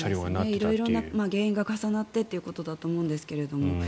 色々な原因が重なってということだと思うんですけど。